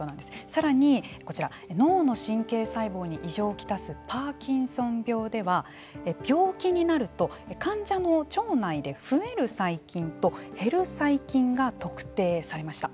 さらにこちら脳の神経細胞に異常をきたすパーキンソン病では病気になると患者の腸内で増える細菌と減る細菌が特定されました。